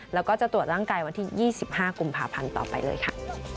แล้วก็จะตรวจร่างกายวันที่๒๕กุมภาพันธ์ต่อไปเลยค่ะ